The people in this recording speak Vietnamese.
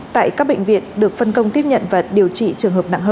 tại các bệnh viện được phân công tiếp nhận và điều trị trường hợp nặng hơn